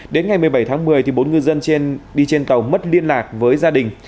đến ngày một mươi bảy tháng một mươi bốn ngư dân trên đi trên tàu mất liên lạc với gia đình